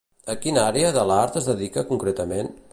A quina àrea de l'art es dedica concretament?